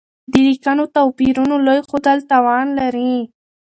د ليکنيو توپيرونو لوی ښودل تاوان لري.